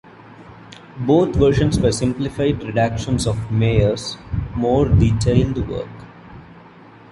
Both versions were simplified redactions of Meyer's more detailed work.